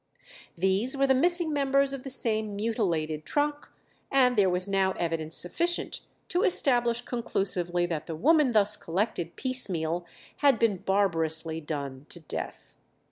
These were the missing members of the same mutilated trunk, and there was now evidence sufficient to establish conclusively that the woman thus collected piecemeal had been barbarously done to death.